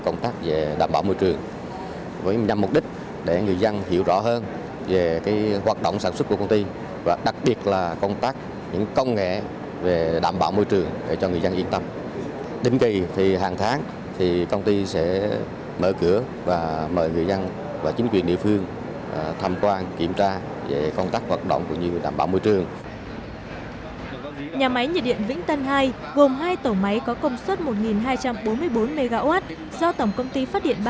nhà máy nhiệt điện vĩnh tân hai gồm hai tổ máy có công suất một hai trăm bốn mươi bốn mw do tổng công ty phát điện ba